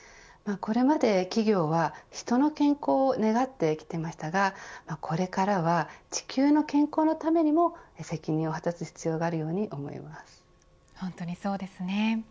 これまで企業は人の健康を願ってきていましたがこれからは地球の健康のためにも責任を果たす必要が本当にそうですね。